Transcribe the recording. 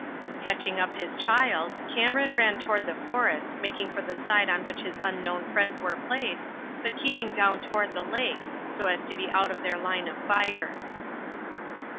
Catching up his child, Cameron ran toward the forest, making for the side on which his unknown friends were placed, but keeping down toward the lake, so as to be out of their line of fire.